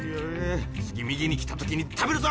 次右に来た時に食べるぞ。